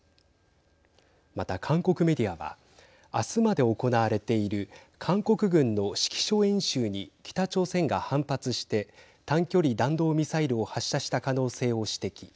また、韓国メディアは明日まで行われている韓国軍の指揮所演習に北朝鮮が反発して短距離弾道ミサイルを発射した可能性を指摘。